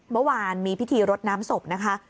เมื่อวานมีพิธีรดน้ำศพนะคะ